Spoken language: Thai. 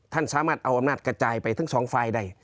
ท่านสามารถเอาอำนาจกระจายไปทั้งสองฝ่ายได้